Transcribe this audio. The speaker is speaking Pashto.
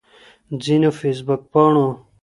ځينو فيسبوک پاڼو